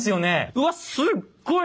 うわすっごい！